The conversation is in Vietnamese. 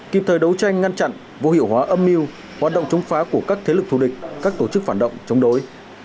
kịp thời đấu tranh ngăn chặn vô hiệu hóa âm mưu hoạt động chống phá của các thế lực thù địch các tổ chức phản động chống đối